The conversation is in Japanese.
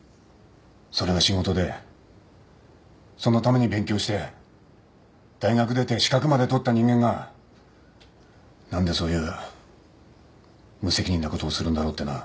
それが仕事でそのために勉強して大学出て資格まで取った人間が何でそういう無責任なことをするんだろうってな。